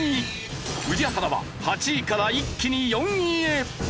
宇治原は８位から一気に４位へ！